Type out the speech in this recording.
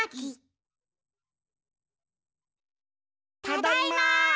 ただいま！